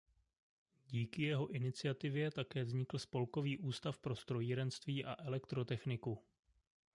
Díky jeho iniciativě také vznikl Spolkový ústav pro strojírenství a elektrotechniku.